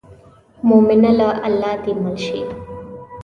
مومنه له الله دې مل شي.